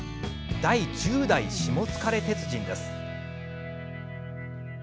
第１０代しもつかれ鉄人です。